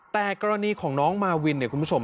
แต่กรณีของน้องมาวินเนี่ยคุณผู้ชม